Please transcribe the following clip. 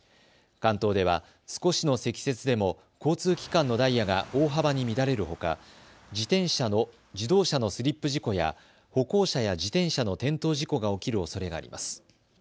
関東では少しの積雪でも交通機関のダイヤが大幅に乱れるほか自動車のスリップ事故や歩行者や自転車の転倒事故が起きるおそれがあります。